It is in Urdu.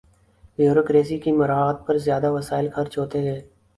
بیوروکریسی کی مراعات پر زیادہ وسائل خرچ ہوتے ہیں۔